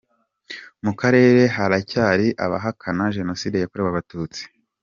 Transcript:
Mu karere haracyari abahakana Jenoside yakorewe Abatutsi.